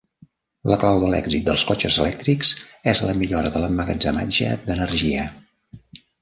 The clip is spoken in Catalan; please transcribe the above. La clau de l'èxit dels cotxes elèctrics és la millora de l'emmagatzematge d'energia.